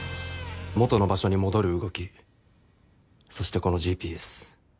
元の場所に戻る動きそしてこのＧＰＳ。